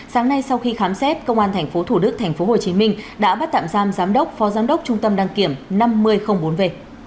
sáng nay sau khi khám xét công an tp thủ đức tp hcm đã bắt tạm giam giám đốc phó giám đốc trung tâm đăng kiểm năm mươi bốn v